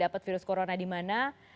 dapat virus corona di mana